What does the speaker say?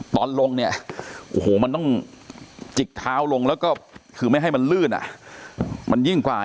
ตอนลงเนี่ยโอ้โหถึงติดขาวลงแล้วก็คือไม่ให้มันลื่นมันยิ่งอีก